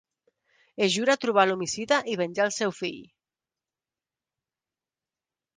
Es jura trobar l'homicida i venjar el seu fill.